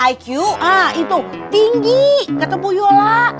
iq tinggi kata bu yola